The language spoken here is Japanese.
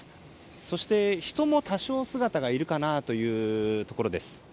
そして、人も多少姿がいるかなというところです。